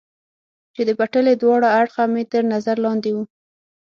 چې د پټلۍ دواړه اړخه مې تر نظر لاندې و.